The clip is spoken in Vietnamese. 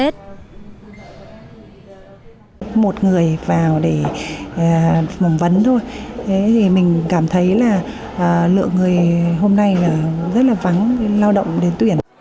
dịp cận tết